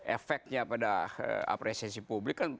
efeknya pada apresiasi publik kan